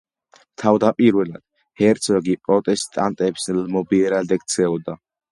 თავდაპირველად ჰერცოგი პროტესტანტებს ლმობიერად ექცეოდა.